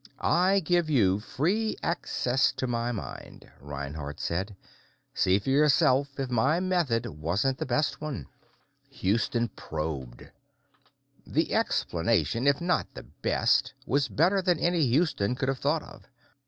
"I give you free access to my mind," Reinhardt said. "See for yourself if my method wasn't the best one." Houston probed. The explanation, if not the best, was better than any Houston could have thought of.